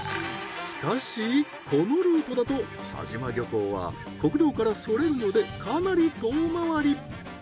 しかしこのルートだと佐島漁港は国道からそれるのでかなり遠回り。